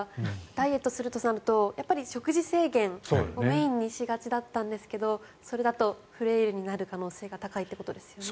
ダイエットするとなると食事制限をメインにしがちだったんですけどそれだとフレイルになる可能性が高いということなんですよね。